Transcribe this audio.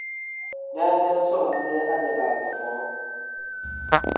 Deedee soona-dee ajalaaza foo.